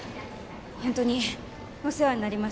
ホントにお世話になりました